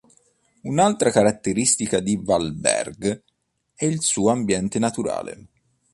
Un'altra caratteristica di Varberg è il suo ambiente naturale.